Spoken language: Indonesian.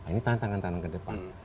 ini tantangan tantangan ke depan